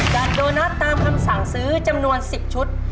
โดนัทตามคำสั่งซื้อจำนวน๑๐ชุด